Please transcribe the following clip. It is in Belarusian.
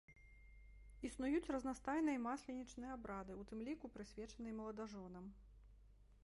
Існуюць разнастайныя масленічныя абрады, у тым ліку прысвечаныя маладажонам.